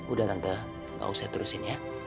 udah tante gak usah terusin ya